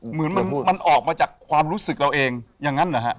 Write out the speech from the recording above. เหมือนมันออกมาจากความรู้สึกเราเองอย่างนั้นเหรอฮะ